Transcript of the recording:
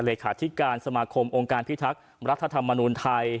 เลขาธิการสมาคมองค์การพิทักษ์รัฐธรรมนูลไทย